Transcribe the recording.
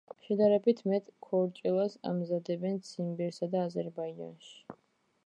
შედარებით მეტ ქორჭილას ამზადებენ ციმბირსა და აზერბაიჯანში.